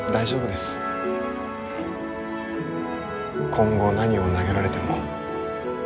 今後何を投げられても。